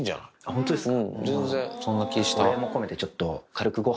ホントですか。